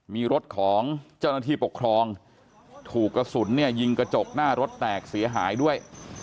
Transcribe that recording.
มีรถของเจ้าหน้าที่ปกครองถูกกระสุนเนี่ยยิงกระจกหน้ารถแตกเสียหายด้วย